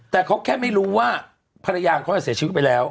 แต่เขาแค่ไม่รู้ว่าภรรยาเขาจะเสียชีวิตไปแล้ว